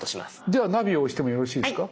ではナビを押してもよろしいですか？